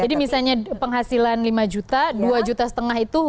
jadi misalnya penghasilan lima juta dua juta setengah itu